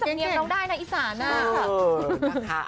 สำเนียงเราได้นะอีศานะ